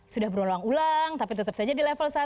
sudah berulang ulang tapi tetap saja di level satu